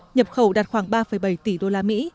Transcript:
nhập khẩu đạt khoảng ba bảy tỷ usd